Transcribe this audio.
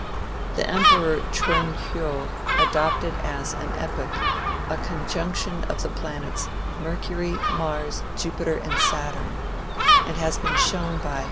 "The Emperor Chwenhio adopted as an epoch, a conjunction of the planets Mercury, Mars, Jupiter and Saturn, which has been shown by M.